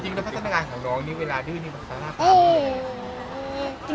จริงแล้วถ้าขนาดงานของน้องนี้เวลาดื้อนี่ซาร่าปรับอะไร